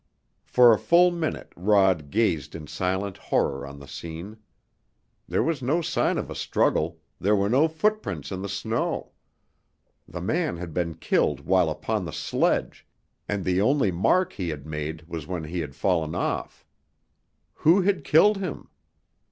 For a full minute Rod gazed in silent horror on the scene. There was no sign of a struggle, there were no footprints in the snow. The man had been killed while upon the sledge, and the only mark he had made was when he had fallen off. Who had killed him?